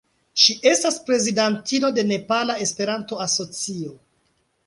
Ŝi estas prezidantino de Nepala Esperanto-Asocio.